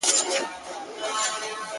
• ډير ور نيژدې سوى يم قربان ته رسېدلى يــم.